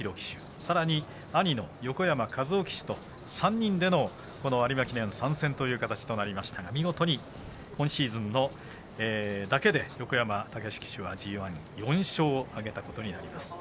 さらに、兄の横山和生騎手と３人での有馬記念参戦という形になりましたが見事に今シーズンだけで横山武史騎手はＧＩ４勝を挙げたことになります。